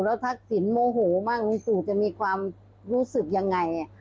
แล้วถ้าสินโมโหมากลุ้งตูจะมีความรู้สึกยังไง